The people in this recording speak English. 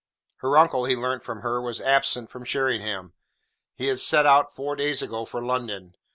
Her uncle, he learnt from her, was absent from Sheringham; he had set out four days ago for London.